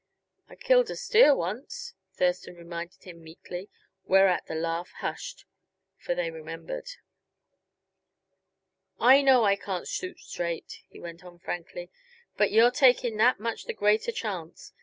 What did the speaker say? "I killed a steer once," Thurston reminded him meekly, whereat the laugh hushed; for they remembered. "I know I can't shoot straight," he went on frankly, "but you're taking that much the greater chance.